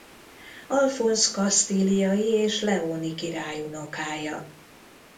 Alfonz kasztíliai és leóni király unokája.